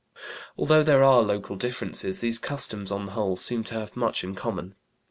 Although there are local differences, these customs, on the whole, seem to have much in common.